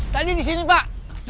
tadi di sini pak